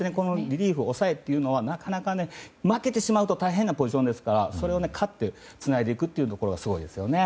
リリーフ、抑えというのはなかなか、負けてしまうと大変なポジションですからそれを勝ってつないでいくところがすごいですよね。